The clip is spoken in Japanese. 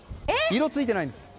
色ついてないんです。